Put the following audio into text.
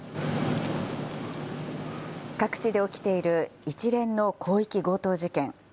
各地で起きている一連の広域強盗事件。